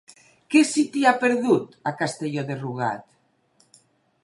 Què se t'hi ha perdut, a Castelló de Rugat?